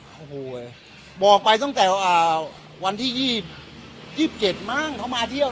โอ้โหเห้ยบอกไปตั้งแต่อ่ะวันที่ยี่สิบยืบเจ็ดมั้งเขามาเที่ยว